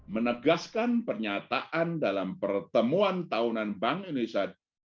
menegaskan pernyataan dalam pertemuan tahunan bank indonesia dua ribu dua puluh